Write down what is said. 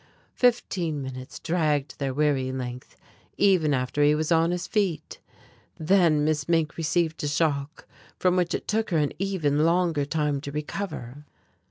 Fifteen minutes dragged their weary length even after he was on his feet. Then Miss Mink received a shock from which it took her an even longer time to recover.